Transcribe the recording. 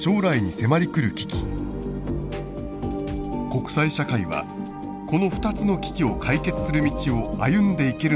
国際社会はこの２つの危機を解決する道を歩んでいけるのか。